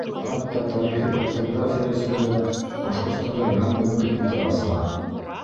Хатта тарихи картография өсөн дә Башҡортостанда яңы мөмкинлектәр асыла.